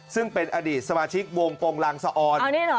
ซึ่งเป็นอดีตสมาชิกวงโปรงลังสะออน